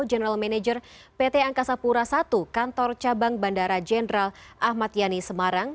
general manager pt angkasa pura i kantor cabang bandara jenderal ahmad yani semarang